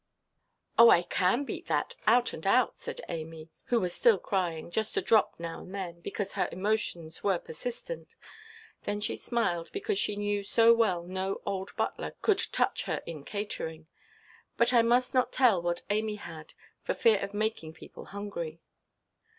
"Oh, I can beat that out and out," said Amy, who still was crying, just a drop now and then, because her emotions were "persistent:" then she smiled, because she knew so well no old butler could touch her in catering; but I must not tell what Amy had, for fear of making people hungry.